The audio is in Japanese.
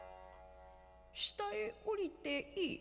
下へ下りていい」。